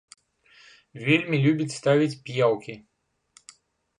Вельмі любіць ставіць п'яўкі.